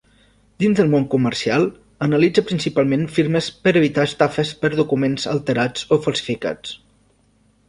Dins del món comercial, analitza principalment firmes per evitar estafes per documents alterats o falsificats.